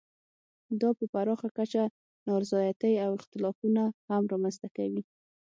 دا په پراخه کچه نا رضایتۍ او اختلافونه هم رامنځته کوي.